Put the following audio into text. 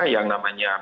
yang namanya militer